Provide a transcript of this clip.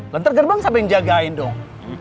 lentar gerbang sampe yang jagain dong